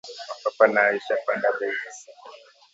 Mapapa nayo isha panda bei iyi siku